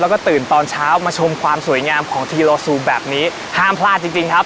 แล้วก็ตื่นตอนเช้ามาชมความสวยงามของทีโลซูแบบนี้ห้ามพลาดจริงจริงครับ